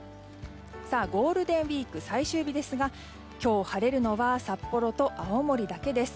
ゴールデンウィーク最終日ですが今日晴れるのは札幌と青森だけです。